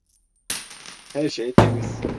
Her şey temiz.